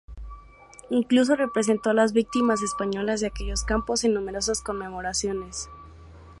Incluso representó a las víctimas españolas de aquellos campos en numerosas conmemoraciones.